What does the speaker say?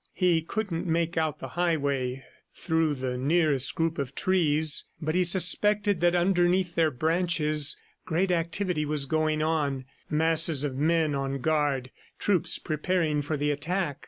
He couldn't make out the highway through the nearest group of trees, but he suspected that underneath their branches great activity was going on masses of men on guard, troops preparing for the attack.